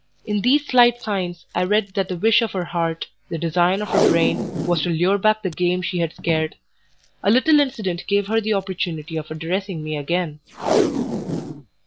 In these slight signs I read that the wish of her heart, the design of her brain, was to lure back the game she had scared. A little incident gave her the opportunity of addressing me again.